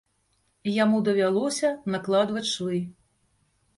Яму давялося накладваць швы.